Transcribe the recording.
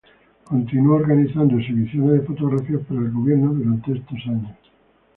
Él continuó organizando exhibiciones de fotografías para el gobierno durante estos años.